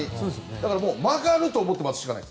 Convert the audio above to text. だから曲がると思って待つしかない。